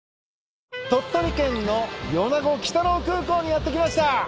鳥取県の米子鬼太郎空港にやって来ました。